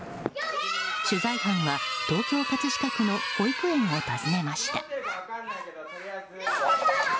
取材班は東京・葛飾区の保育園を訪ねました。